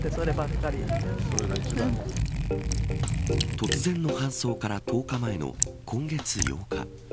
突然の搬送から１０日前の今月８日。